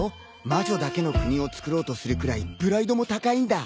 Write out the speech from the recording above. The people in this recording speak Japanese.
魔女だけの国をつくろうとするくらいプライドも高いんだ。